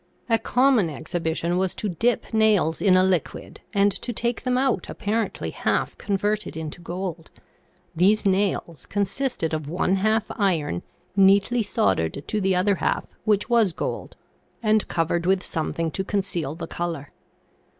A common ex hibition was to dip nails in a liquid and to take them out apparently half converted into gold ; these nails consisted of one half iron neatly soldered to the other half, which was gold, and covered with something to conceal the color.